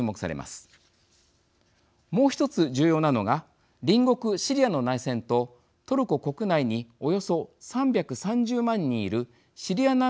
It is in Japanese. もう一つ重要なのが隣国シリアの内戦とトルコ国内におよそ３３０万人いるシリア難民への対応です。